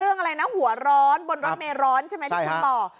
เรื่องอะไรนะหัวร้อนบนรถเมร้าใช่ไหมที่ฉันบอก